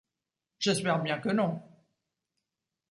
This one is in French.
J’espère bien que non.